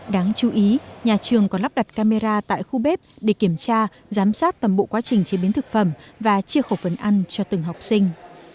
đáng chú ý nhà trường còn lắp đặt camera tại khu bếp để kiểm tra giám sát toàn bộ quá trình chế biến thực phẩm và chia khẩu phần ăn cho từng học sinh